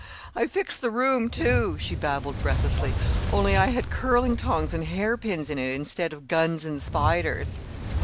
I fixed the room, too," she babbled breathlessly, "only I had curling tongs and hair pins in it instead of guns and spiders!"